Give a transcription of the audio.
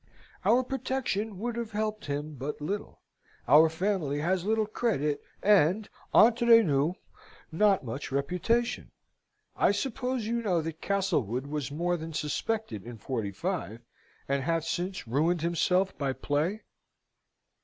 Our protection would have helped him but little. Our family has little credit, and, entre nous, not much reputation. I suppose you know that Castlewood was more than suspected in '45, and hath since ruined himself by play?"